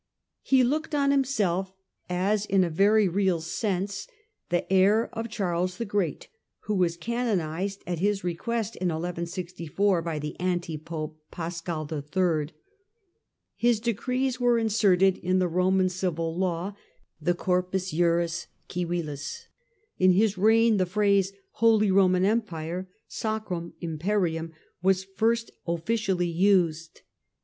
He looked on himself as in a very real sense the heir of Charles the Great, who was canonized at his request in 1164 by the anti pope Paschal III. His decrees were inserted in the Roman Civil Law, the Corpus Juris Civilis ; in his reign the phrase " Holy Roman Empire " {Sacrum Imperium) was first officially used.